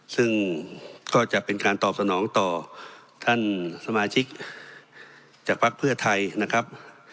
ซึ่งก็จะเป็นการตอบสนองต่อท่านสมาชิกจากภักดิ์เพื่อไทยนะครับ